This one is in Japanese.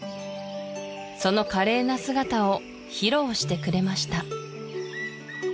その華麗な姿を披露してくれました